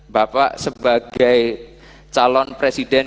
bapak sebagai calon presiden dua ribu dua puluh empat